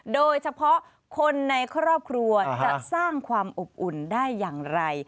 โดยเฉพาะคนในครอบครัวจะสร้างความอบอุ่นได้อย่างไร